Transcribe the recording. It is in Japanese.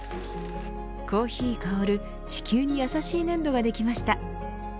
コーヒー香る、地球にやさしい粘土ができました。